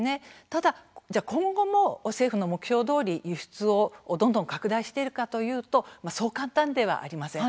ただ今後も政府の目標どおり輸出をどんどん拡大しているかというとそう簡単ではありません。